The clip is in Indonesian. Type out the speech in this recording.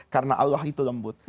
karena allah itu lembut